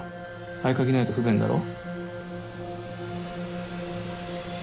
合鍵ないと不便だろ。